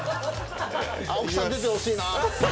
青木さん出てほしいな。